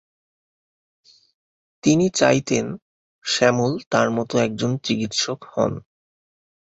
তিনি চাইতেন শ্যামল তার মত একজন চিকিৎসক হন।